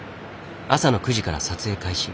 朝の９時から撮影開始。